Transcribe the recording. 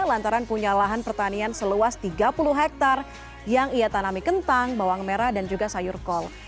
lantaran punya lahan pertanian seluas tiga puluh hektare yang ia tanami kentang bawang merah dan juga sayur kol